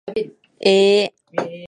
えー